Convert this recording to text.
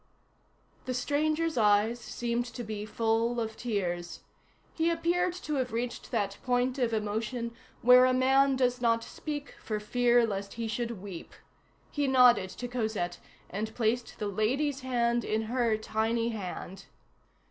The stranger's eyes seemed to be full of tears. He appeared to have reached that point of emotion where a man does not speak for fear lest he should weep. He nodded to Cosette, and placed the "lady's" hand in her tiny hand.